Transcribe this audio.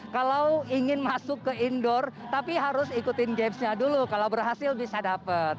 kalau ingin masuk ke indoor tapi harus ikutin games nya dulu kalau berhasil bisa dapat